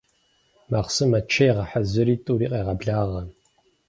Махъсымэ чей гъэхьэзыри, тӏури къегъэблагъэ.